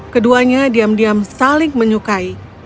keduanya diam diam saling menyukai